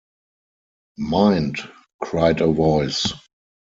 “Mind!” cried a voice.